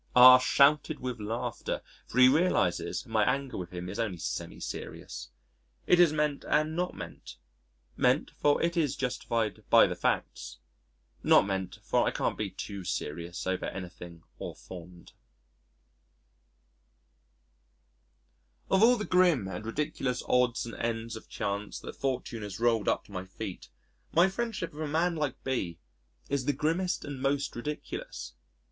R shouted with laughter for he realizes my anger with him is only semi serious: it is meant and not meant: meant, for it is justified by the facts; not meant, for I can't be too serious over anything au fond. Of all the grim and ridiculous odds and ends of chance that Fortune has rolled up to my feet, my friendship with a man like B is the grimmest and most ridiculous.